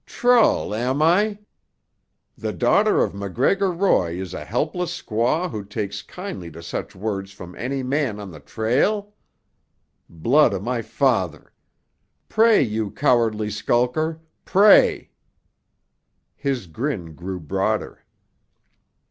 "'Trull' am I? The daughter of MacGregor Roy is a helpless squaw who takes kindly to such words from any man on the trail? Blood o' my father! Pray, you cowardly skulker! Pray!" His grin grew broader.